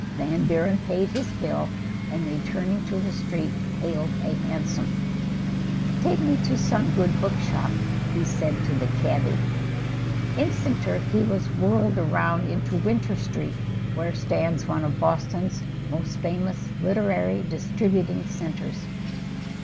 Van Buren paid his bill, and, returning to the street, hailed a hansom. "Take me to some good book shop," he said to the cabby. Instanter he was whirled around into Winter Street, where stands one of Boston's most famous literary distributing centers.